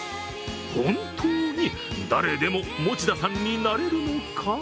本当に誰でも持田さんになれるのか？